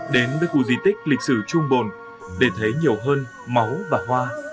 đến với khu di tích lịch sử trung bồn để thấy nhiều hơn máu và hoa